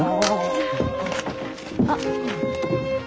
あっ。